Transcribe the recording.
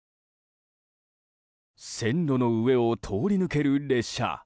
線路の上を通り抜ける列車。